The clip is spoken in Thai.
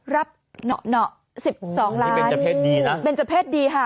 รับ๑๒ล้านนี่เบนเจอร์เพศดีนะเบนเจอร์เพศดีฮะ